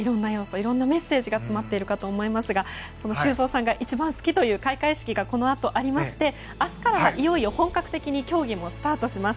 いろんなメッセージが詰まっているかと思いますがその修造さんが一番好きという開会式がこのあとありまして明日からは、いよいよ本格的に競技もスタートします。